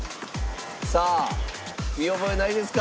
さあ見覚えないですか？